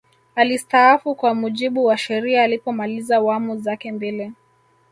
alistaafu kwa mujibu wa sheria alipomaliza wamu zake mbili